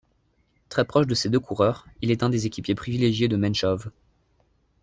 Très proche de ces deux coureurs, il est un des équipiers privilégiés de Menchov.